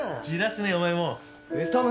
じらすねお前も。えっ？